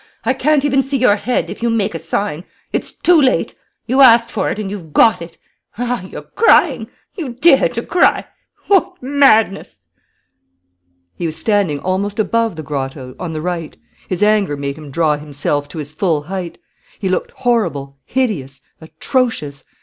I can't even see your head, if you make a sign. It's too late! You asked for it and you've got it! Ah, you're crying! You dare to cry! What madness!" He was standing almost above the grotto, on the right. His anger made him draw himself to his full height. He looked horrible, hideous, atrocious.